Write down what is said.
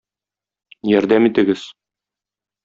Ярдәм итегез!